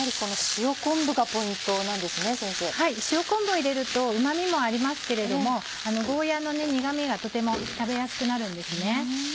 塩昆布を入れるとうま味もありますけれどもゴーヤの苦味がとても食べやすくなるんですね。